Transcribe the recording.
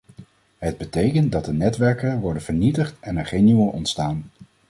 Het betekent dat de netwerken worden vernietigd en er geen nieuwe ontstaan.